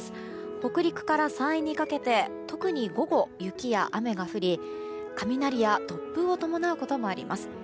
北陸から山陰にかけて、特に午後雪や雨が降り雷や突風を伴うこともあります。